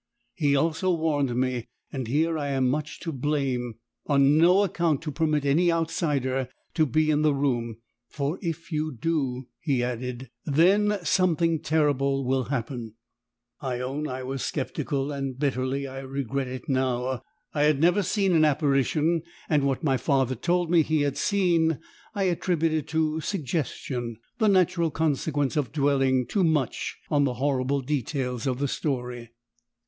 He also warned me, and here I am much to blame, on no account to permit any outsider to be in the room, 'for if you do,' he added, 'THEN, something terrible will happen.' I own I was sceptical and bitterly I regret it now. I had never seen an apparition, and what my father told me he had seen, I attributed to Suggestion, the natural consequence of dwelling too much on the horrible details of the story.